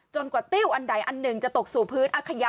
จนกว่าติ้วอันไหนอันหนึ่งจะตกสู่พืช